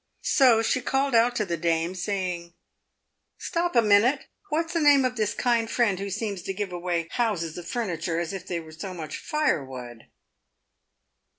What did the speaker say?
So she called out to the dame, saying, " Stop a minute ! What's the name of this kind friend who seems to give away houses of furniture as if they were so much firewood